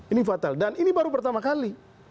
ini fatal dan ini baru pertama kali